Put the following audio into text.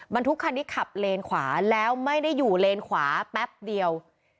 ทุกคันนี้ขับเลนขวาแล้วไม่ได้อยู่เลนขวาแป๊บเดียว